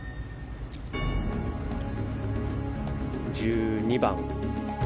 １２番。